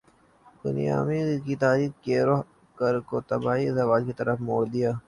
بنو امیہ کی تاریخ کے رخ کو تباہی اور زوال کی طرف موڑ دیا